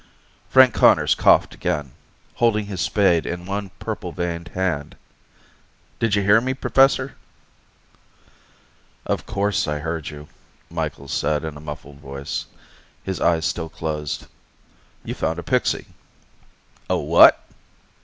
Frank Conners coughed again, holding his spade in one purple veined hand. "Didja hear me, Professor?" "Of course I heard you," Micheals said in a muffled voice, his eyes still closed. "You found a pixie." "A what?"